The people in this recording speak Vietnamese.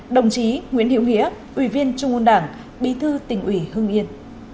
đồng chí nguyễn hiếu nghĩa ủy viên trung ương đảng bí thư tỉnh ủy hương yên